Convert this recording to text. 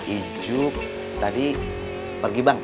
ijuk tadi pergi bang